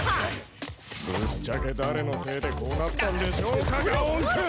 ぶっちゃけ誰のせいでこうなったんでしょうかガオーンくん！